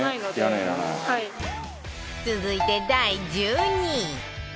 続いて第１２位